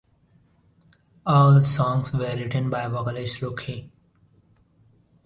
All songs were written by vocalist Ruki.